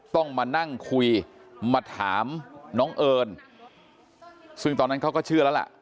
ต้องมานั่งคุยมาถามน้องเอิญซึ่งตอนนั้นเขาก็เชื่อแล้วล่ะ